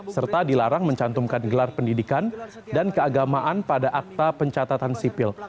serta dilarang mencantumkan gelar pendidikan dan keagamaan pada akta pencatatan sipil